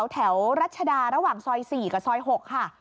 แถวรัชดาระหว่างซอย๔กับซอย๖ค่ะ